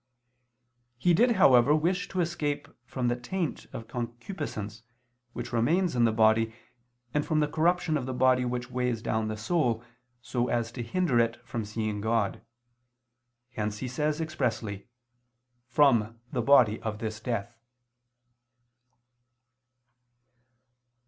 He did, however, wish to escape from the taint of concupiscence, which remains in the body, and from the corruption of the body which weighs down the soul, so as to hinder it from seeing God. Hence he says expressly: "From the body of this death."